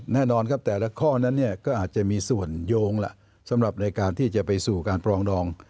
แน่นอนครับแต่ละข้อนั้นเนี่ยก็อาจจะมีส่วนโยงล่ะสำหรับในการที่จะไปสู่การปรองดอง